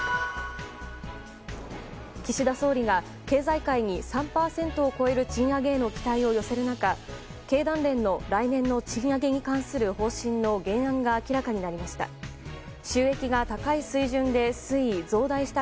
岸田総理が経済界に３％を超える賃上げへの期待を寄せる中経団連の来年の賃上げに関する方針の原案が明らかになりました。